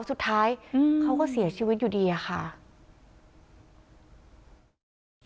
สุดท้ายเขาก็เสียชีวิตอยู่ดีอะค่ะ